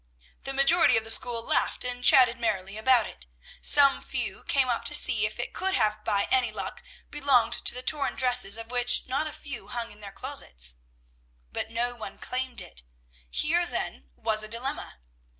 The majority of the school laughed and chatted merrily about it. Some few came up to see if it could have by any luck belonged to the torn dresses of which not a few hung in their closets. But no one claimed it! Here, then, was a dilemma!